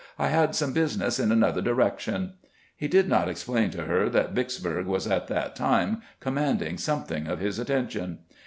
I had some business in another direction." He did not explain to her that Vicksburg was at that time commanding something of his attention.